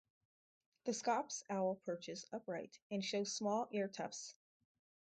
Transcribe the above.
The scops owl perches upright and shows small ear tufts.